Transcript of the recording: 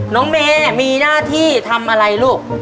น้องเมย์มีหน้าที่ทำอะไรลูก